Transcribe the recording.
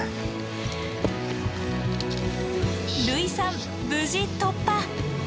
類さん無事突破！